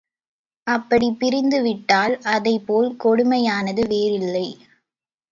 அப்படிப் பிரிந்து விட்டால் அதைப்போல் கொடுமையானது வேறில்லை.